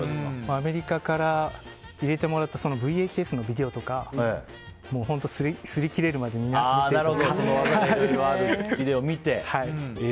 アメリカから入れてもらったＶＨＳのビデオとかビデオを見て。